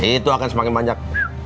itu akan semakin banyak